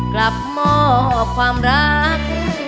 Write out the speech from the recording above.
กลับมอบความรัก